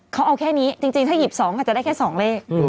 เขาเอาแค่นี้จริงถ้าหยิบ๒อาจจะได้แค่๒เลข